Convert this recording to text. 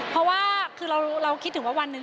เพราะว่าคือเราคิดถึงว่าวันหนึ่ง